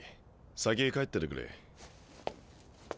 先帰っててくれ。